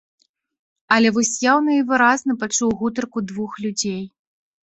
Але вось яўна і выразна пачуў гутарку двух людзей.